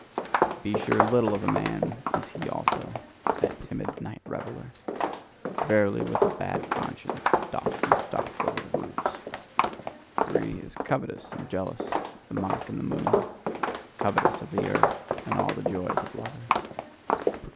To be sure, little of a man is he also, that timid night reveller. Verily, with a bad conscience doth he stalk over the roofs. For he is covetous and jealous, the monk in the moon; covetous of the earth, and all the joys of lovers.